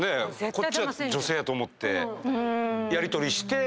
こっちは女性やと思ってやりとりして。